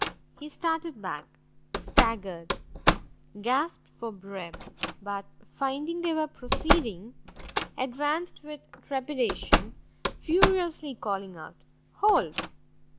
he started back, staggered, gasped for breath, but finding they were proceeding, advanced with trepidation, furiously calling out, "Hold!